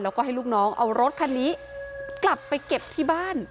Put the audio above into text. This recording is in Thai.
แล้วก็ให้ลูกน้องเอารถคันนี้กลับไปเก็บที่บ้าน